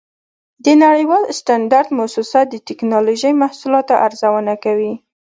د نړیوال سټنډرډ مؤسسه د ټېکنالوجۍ محصولاتو ارزونه کوي.